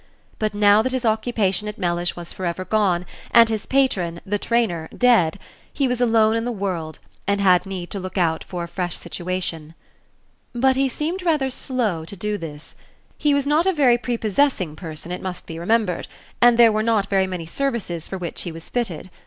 But, now that his occupation at Mellish was for ever gone, and his patron, the trainer, dead, he was alone in the world, and had need to look out for a fresh situation. But he seemed rather slow to do this. He was not a very prepossessing person, it must be remembered, and there were not very many services for which he was fitted.